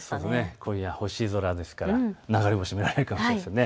今夜、星空ですから、流れ星、見られるかもしれませんね。